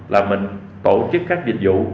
là mình tổ chức các dịch vụ